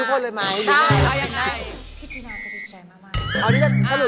อ่ะเราเราได้เราได้